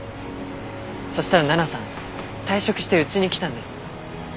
そしたら奈々さん退職してうちに来たんです。